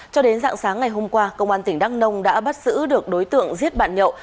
cho đến dạng sáng ngày hôm qua công an tỉnh đắk nông đã bắt giữ được đối tượng giết bạn nhậu